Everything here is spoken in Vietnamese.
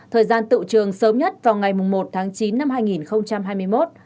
thời gian tự trường sớm nhất vào ngày một tháng chín năm hai nghìn hai mươi một